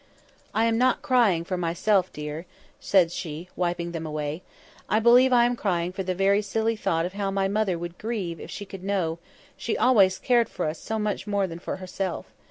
"I am not crying for myself, dear," said she, wiping them away; "I believe I am crying for the very silly thought of how my mother would grieve if she could know; she always cared for us so much more than for herself.